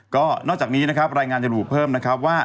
ก็นอกจากนี้นะครับรายงานจะระบุเพิ่มนะครับว่า